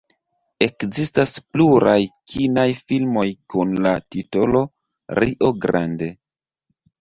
Ekzistas pluraj kinaj filmoj kun la titolo "Rio Grande".